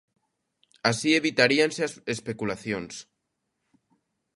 Así evitaríanse as especulacións.